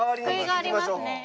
救いがありますね。